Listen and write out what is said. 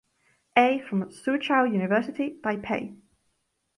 A. from Soochow University, Taipei.